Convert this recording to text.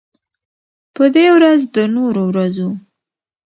په دې ورځ د نورو ورځو